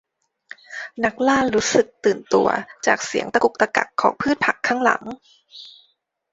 นักล่ารู้สึกตื่นตัวจากเสียงตะกุกตะกักของพืชผักข้างหลัง